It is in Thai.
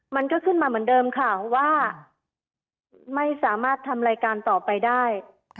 มันก็ขึ้นมาเหมือนเดิมค่ะว่าไม่สามารถทำรายการต่อไปได้